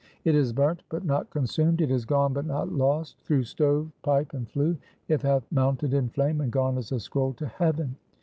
"It is burnt, but not consumed; it is gone, but not lost. Through stove, pipe, and flue, it hath mounted in flame, and gone as a scroll to heaven!